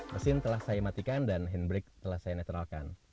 mesin telah saya matikan dan handbrake telah saya neteralkan